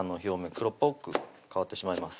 黒っぽく変わってしまいます